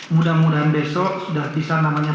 mudah mudahan besok sudah bisa namanya